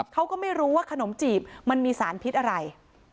เขาก็ไม่รู้ว่าขนมจีบมันมีสารพิษอะไร